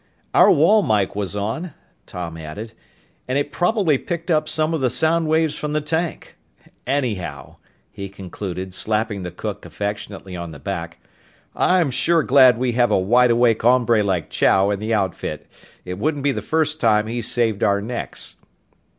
"Our wall mike was on," Tom added, "and it probably picked up some of the sound waves from the tank. Anyhow," he concluded, slapping the cook affectionately on the back, "I'm sure glad we have a wide awake hombre like Chow in the outfit. It wouldn't be the first time he's saved our necks!"